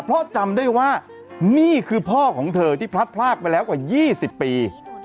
เพราะจำได้ว่านี่คือพ่อของเธอที่พลัดพลากไปแล้วกว่า๒๐ปี